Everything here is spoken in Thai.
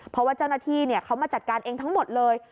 เพราะว่าเจ้าหน้าที่เขามาจัดการเองทั้งหมดเลย